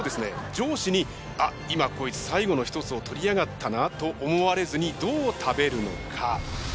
上司にあっ今こいつ最後の一つを取りやがったなと思われずにどう食べるのか？